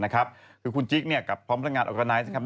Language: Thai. คุณจิ๊กกับพร้อมพลังงานออกาไนท์